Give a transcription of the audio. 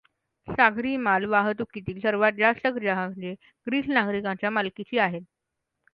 सागरी माल वाहतुकीतील सर्वांत जास्त जहाजे ग्रीस नागरीकांच्या मालकीची आहेत.